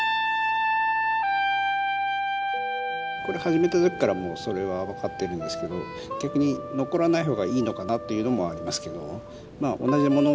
これ始めた時からもうそれは分かってるんですけど逆に残らない方がいいのかなというのもありますけども。